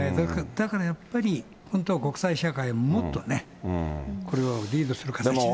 だからやっぱり、本当は国際社会、もっとね、これはリードする形でなければ。